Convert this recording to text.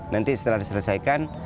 nanti setelah diselesaikan